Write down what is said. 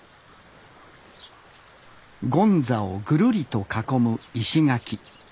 権座をぐるりと囲む石垣。